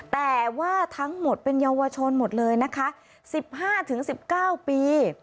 แต่ว่าทั้งหมดเป็นเยาวชนหมดเลยนะคะ๑๕๑๙ปี